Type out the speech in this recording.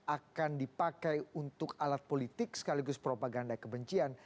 akan dipakai untuk alat politik sekaligus propaganda kebencian